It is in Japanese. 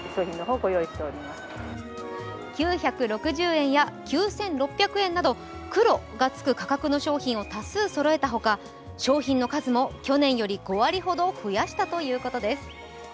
９６０円や９６００円など、９６がつく価格の商品を多数そろえたほか、商品の数も去年より５割ほど増やしたということです。